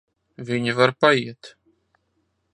Viņa var paiet.